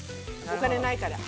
お金ないから。